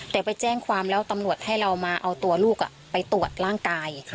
แต่ไปแจ้งความแล้วตำรวจให้เรามาเอาตัวลูกไปตรวจร่างกาย